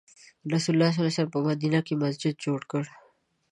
رسول الله په مدینه کې مسجد جوړ کړ.